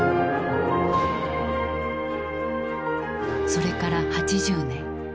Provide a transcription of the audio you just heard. それから８０年。